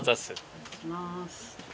お願いします。